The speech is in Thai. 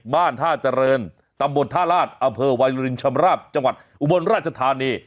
บ้านท่าเจริญตำบลท่าราชอเภอวัยวรินชำราบจังหวัดอุบลราชธานี